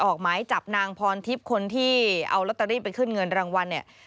ออกหมายจับนางพรทิพย์คนที่เอาลอตเตอรี่ไปขึ้นเงินรางวัลเนี่ย